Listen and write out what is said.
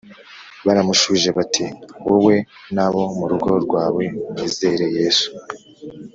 Baramushubije bati wowe n abo mu rugo rwawe mwizere Yesu